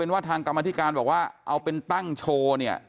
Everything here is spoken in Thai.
ว่าทางกรรมธิการบอกว่าเอาเป็นตั้งโชว์เนี่ย